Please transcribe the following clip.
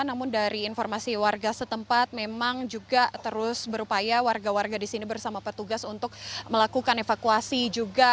namun dari informasi warga setempat memang juga terus berupaya warga warga di sini bersama petugas untuk melakukan evakuasi juga